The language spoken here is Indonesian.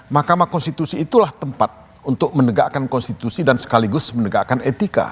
mahkamah konstitusi itulah tempat untuk menegakkan konstitusi dan sekaligus menegakkan etika